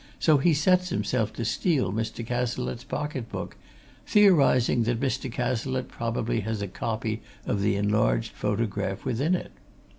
so he sets himself to steal Mr. Cazalette's pocket book, theorizing that Mr. Cazalette probably has a copy of the enlarged photograph within it.